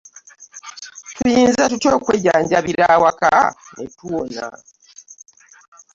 Tuyinza tutya okwejjanjabira awaka ne tuwona?